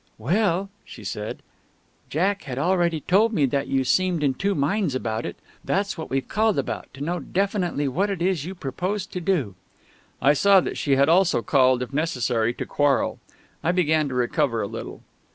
"Well," she said, "Jack had already told me that you seemed in two minds about it. That's what we've called about to know definitely what it is you propose to do." I saw that she had also called, if necessary, to quarrel. I began to recover a little.